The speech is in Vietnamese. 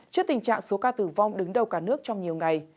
trước tình trạng số ca tử vong đứng đầu cả nước trong nhiều ngày